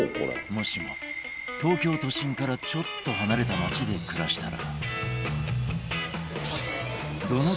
もしも東京都心からちょっと離れた街で暮らしたら